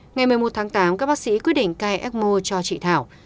ngày một mươi một tháng tám các bác sĩ quyết định cai ecmo cho chị thảo